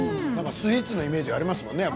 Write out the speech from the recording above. スイーツのイメージありますもんね。